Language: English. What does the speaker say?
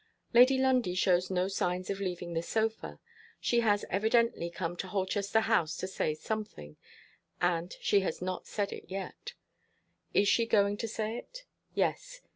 Lady Lundie shows no signs of leaving the sofa. She has evidently come to Holchester House to say something and she has not said it yet. Is she going to say it? Yes.